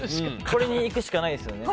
これにいくしかないですね。